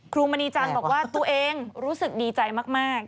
มณีจันทร์บอกว่าตัวเองรู้สึกดีใจมาก